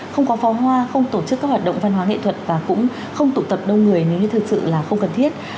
không có pháo hoa không tổ chức các hoạt động văn hóa nghệ thuật và cũng không tụ tập đông người nếu như thực sự là không cần thiết